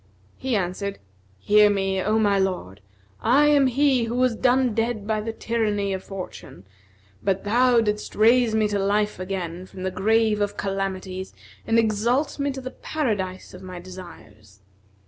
He answered, "Hear me, O my lord, I am he who was done dead by the tyranny of fortune, but thou didst raise me to life again from the grave of calamities and exalt me to the paradise of my desires.